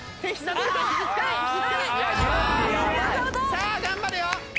さあ頑張るよ！